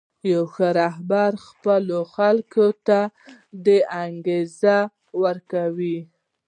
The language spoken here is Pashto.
یو ښه رهبر خپلو خلکو ته دا انګېزه ورکوي.